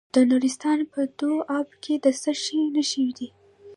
د نورستان په دو اب کې د څه شي نښې دي؟